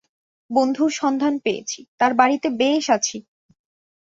বন্ধুর সন্ধান পেয়েছি, তাঁর বাড়ীতে বেশ আছি।